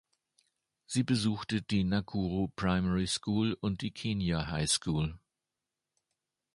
Sie besuchte die Nakuru Primary School und die Kenya High School.